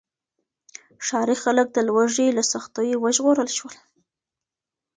ښاري خلک د لوږې له سختیو وژغورل شول.